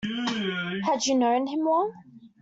Had you known him long?